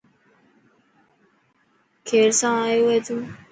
کير سان آيو هي تون.